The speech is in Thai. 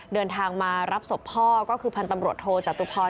เดินทางมารับศพพ่อก็คือพันธ์ตำรวจโทจตุพร